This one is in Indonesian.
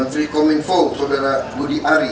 menteri kominfo saudara budi ari